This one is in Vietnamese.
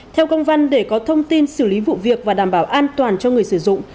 theo công văn để có thông tin xử lý vụ việc và đảm bảo an toàn cho người sử dụng